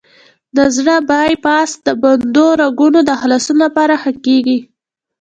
د زړه بای پاس د بندو رګونو د خلاصون لپاره کېږي.